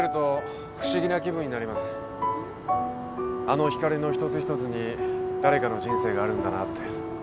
あの光の一つ一つに誰かの人生があるんだなって。